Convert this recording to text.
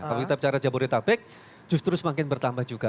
kalau kita bicara jabodetabek justru semakin bertambah juga